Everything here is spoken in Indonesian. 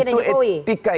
itu izin presiden jokowi